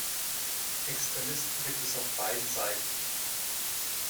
Extremisten gibt es auf beiden Seiten.